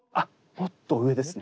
もっと上ですね。